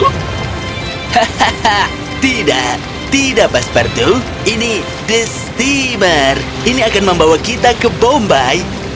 hahaha tidak tidak pak patu ini steamer ini akan membawa kita ke bombay